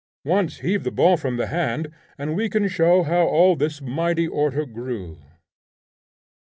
Once heave the ball from the hand, and we can show how all this mighty order grew.'